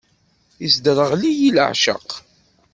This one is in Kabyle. Isderɣel-iyi leɛceq.